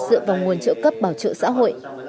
dựa vào nguồn trợ cấp bảo trợ xã hội